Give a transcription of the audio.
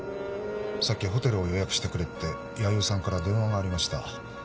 さっきホテルを予約してくれって弥生さんから電話がありました。